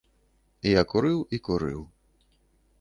Я курыў і курыў.